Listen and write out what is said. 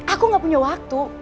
aku gak punya waktu